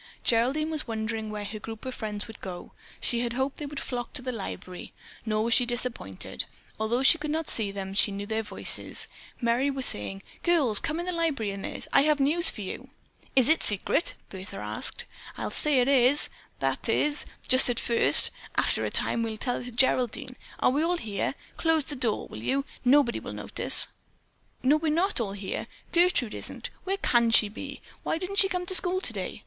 Geraldine was wondering where her group of friends would go. She had hoped they would flock to the library, nor was she disappointed. Although she could not see them, she knew their voices. Merry was saying, "Girls, come in the library a minute. I have some news for you." "Is it secret?" Bertha asked. "I'll say it is—that is, just at first; after a time we'll tell it to Geraldine. Are we all here? Close the door, will you; nobody will notice." "No, we're not all here. Gertrude isn't. Where can she be? Why didn't she come to school today?"